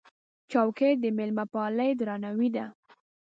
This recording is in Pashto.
چوکۍ د مېلمهپالۍ درناوی دی.